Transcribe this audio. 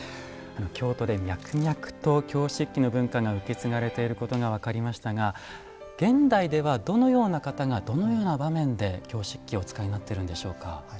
京都で脈々と京漆器の文化が受け継がれていることが分かりましたが現代ではどのような方がどのような場面で京漆器をお使いになっているんでしょうか？